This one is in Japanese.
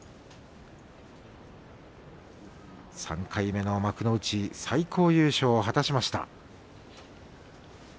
３回目の幕内最高優勝を果たしました。